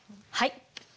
はい。